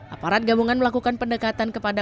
aparat gabungan melakukan pendekatan kepada